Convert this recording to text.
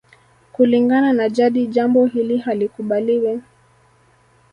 Kulingana na jadi jambo hili halikubaliwi